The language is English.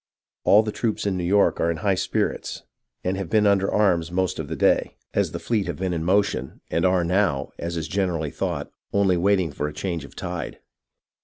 All the troops in New York are in high spirits, and have been under arms most of the day, as the fleet have been in motion, and are now, as is gener ally thought, only waiting for a change of tide.